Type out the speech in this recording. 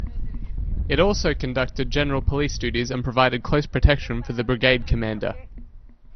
It also conducted general police duties and provided close protection for the Brigade Commander.